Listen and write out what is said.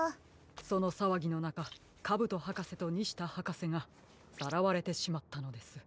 そのさわぎのなかカブトはかせとニシタはかせがさらわれてしまったのです。